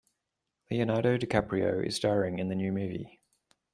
Leonardo DiCaprio is staring in the new movie.